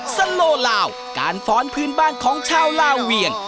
สโลลาวการฟ้อนพื้นบ้านของชาวลาเวียง